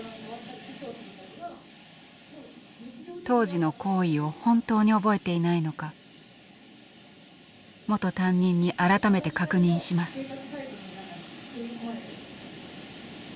当時の行為を本当に覚えていないのか元担任に改めて確認します。